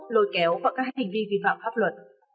lôi kéo vào các hành vi vi phạm pháp luật